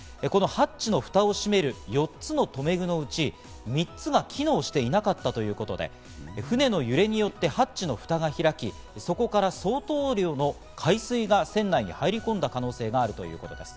このハッチの蓋を閉める４つの留め具のうち３つが機能していなかったということで、船の揺れによってハッチの蓋が開き、そこから相当量の海水が船内に入り込んだ可能性があるということです。